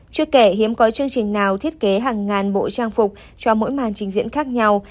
chưa kể hiếm có chương trình nào thiết kế hàng ngàn bộ trang phục cho mỗi màn trình diễn khác nhau